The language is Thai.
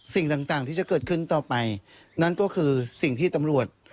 สิ่งต่างที่จะเกิดขึ้นต่อไปนั่นก็คือสิ่งที่ตำรวจ